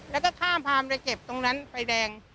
แล้วก็ข้ามพามไปเก็บตรงนั้นไฟแดง